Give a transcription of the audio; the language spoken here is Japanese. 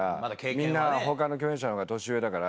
みんな他の共演者のほうが年上だから。